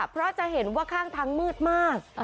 เพราะจะเห็นว่าข้างทางมืดมาก